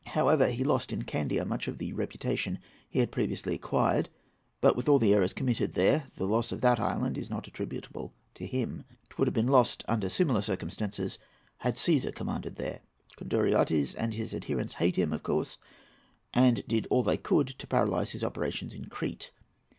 However, he lost in Candia much of the reputation he had previously acquired; but with all the errors he committed there, the loss of that island is not attributable to him. 'Twould have been lost, under similar circumstances, had Cæsar commanded there. Konduriottes and his adherents hate him, of course, and did all they could to paralyze his operations in Crete.